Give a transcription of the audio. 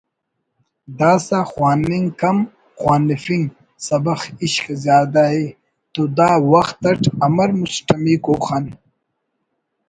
داسہ خواننگ کم خوانفنگ (سبخ عشق) زیادہ ءِ تو دا وخت اٹ امر مسٹمیکو خن